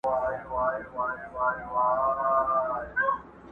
چي پیر مو سو ملګری د شیطان څه به کوو؟.!